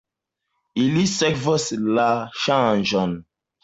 Ili sekvos la ŝanĝon.